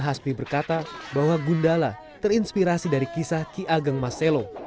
diberkata bahwa gundala terinspirasi dari kisah ki ageng maselo